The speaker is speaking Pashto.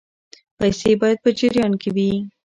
پیسې باید په جریان کې وي.